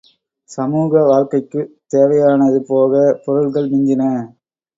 சமூக வாழ்க்கைக்குத் தேவையானது போக பொருள்கள் மிஞ்சின.